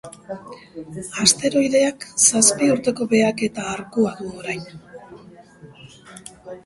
Asteroideak zazpi urteko behaketa arkua du orain.